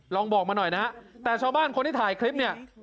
ลองบอกมาหน่อยนะฮะแต่ชาวบ้านคนที่ถ่ายคลิปเนี่ย